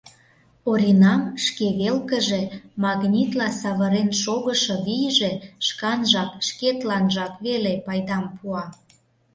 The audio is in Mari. Оринам шке велкыже магнитла савырен шогышо вийже шканжак, шкетланжак веле пайдам пуа.